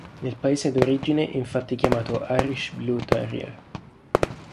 Nel paese d'origine è infatti chiamato Irish Blue Terrier.